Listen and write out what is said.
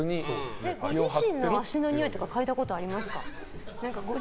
ご自身の足のにおいとか嗅いだことありますか？